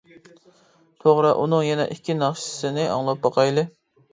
توغرا ئۇنىڭ يەنە ئىككى ناخشىسىنى ئاڭلاپ باقايلى!